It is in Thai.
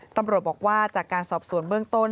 ตำรวจบอกว่าจากการสอบสวนเบื้องต้น